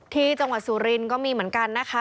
ที่จังหวัดสุรินทร์ก็มีเหมือนกันนะคะ